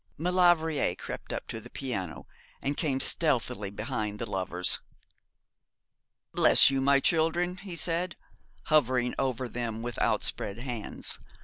Maulevrier crept up to the piano, and came stealthily behind the lovers. 'Bless you, my children,' he said, hovering over them with outspread hands.